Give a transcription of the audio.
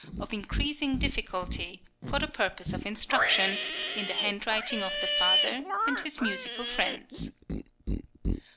of increasing difficulty, for the purpose of instruction, in the handwriting of the father and his musical friends.